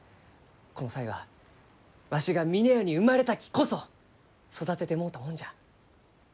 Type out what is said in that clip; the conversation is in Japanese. この才はわしが峰屋に生まれたきこそ育ててもろうたもんじゃ。